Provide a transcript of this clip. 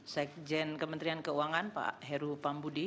sekjen kementerian keuangan pak heru pambudi